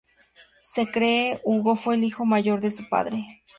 Se cree que Hugo fue el hijo mayor de su padre.